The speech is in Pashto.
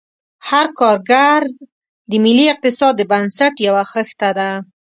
هر کارګر د ملي اقتصاد د بنسټ یوه خښته ده.